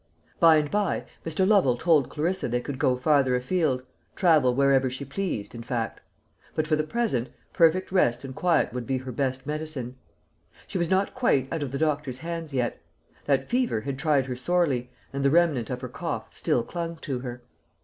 By and by, Mr. Lovel told Clarissa they could go farther afield, travel wherever she pleased, in fact; but, for the present, perfect rest and quiet would be her best medicine. She was not quite out of the doctor's hands yet; that fever had tried her sorely, and the remnant of her cough still clung to her.